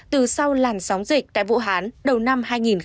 từ sau làn sóng dịch tại vũ hán đầu năm hai nghìn hai mươi